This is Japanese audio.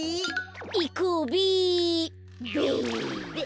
いこうべべ。